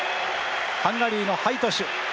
ハンガリーのハイトシュ。